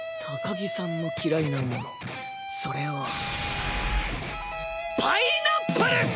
高木さんの嫌いなものそれはパイナップル！